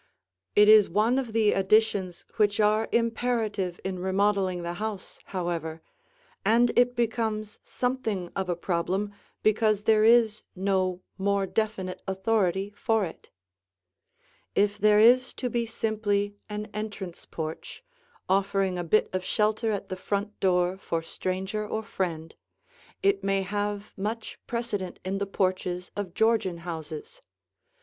It is one of the additions which are imperative in remodeling the house, however, and it becomes something of a problem because there is no more definite authority for it. If there is to be simply an entrance porch, offering a bit of shelter at the front door for stranger or friend, it may have much precedent in the porches of Georgian houses.